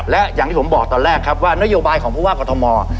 และอย่างที่ผมบอกตอนแรกครับว่านโยบายของผู้ว่ากรทม